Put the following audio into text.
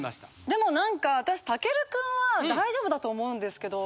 でもなんか私武尊君は大丈夫だと思うんですけど。